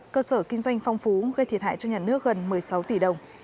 cơ sở kinh doanh phong phú gây thiệt hại cho nhà nước gần một mươi sáu tỷ đồng